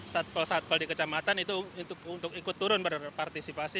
satpel satpel di kecamatan itu untuk ikut turun berpartisipasi